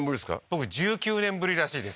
僕１９年ぶりらしいです